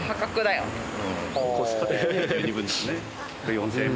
４０００円？